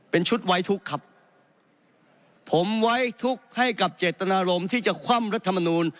เป็นชุดไว้ทุกข์ครับผมไว้ทุกข์ให้กับเจตนารมณ์ที่จะคว่ำรัฐมนูล